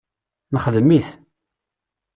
Nexdem-it.